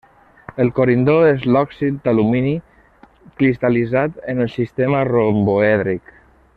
El corindó és l'òxid d'alumini cristal·litzat en el sistema romboèdric.